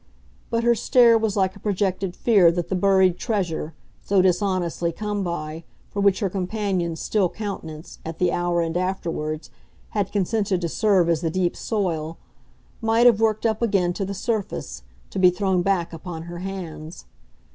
But her stare was like a projected fear that the buried treasure, so dishonestly come by, for which her companion's still countenance, at the hour and afterwards, had consented to serve as the deep soil, might have worked up again to the surface, to be thrown back upon her hands.